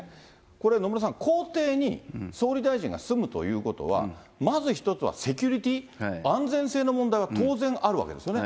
これ、野村さん、公邸に総理大臣が住むということは、まず一つはセキュリティ、安全性の問題は当然あるわけですよね。